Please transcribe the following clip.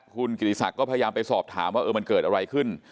คุณกิติศักดิ์ก็พยายามไปสอบถามว่ามันเกิดอะไรขึ้น